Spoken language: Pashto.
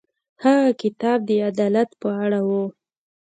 هغه کتاب د عدالت په اړه و.